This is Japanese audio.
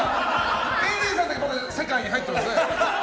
ＡＤさんだけまだ世界に入ってますね。